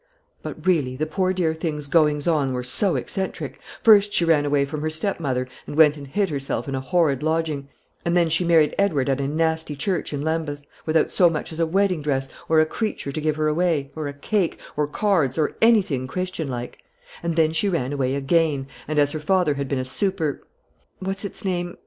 But really, the poor dear thing's goings on were so eccentric: first she ran away from her stepmother and went and hid herself in a horrid lodging; and then she married Edward at a nasty church in Lambeth, without so much as a wedding dress, or a creature to give her away, or a cake, or cards, or anything Christian like; and then she ran away again; and as her father had been a super what's its name?